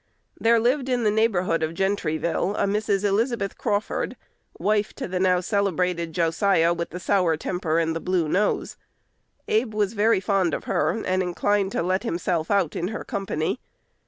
There lived in the neighborhood of Gentryville a Mrs. Elizabeth Crawford, wife to the now celebrated Josiah with the sour temper and the blue nose. Abe was very fond of her, and inclined to "let himself out" in her company.